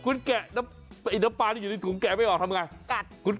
คุณแกะน้ำปลาที่อยู่ในถุงแกะไม่ออกทำไง